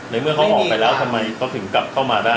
เมื่อเขาออกไปแล้วทำไมเขาถึงกลับเข้ามาได้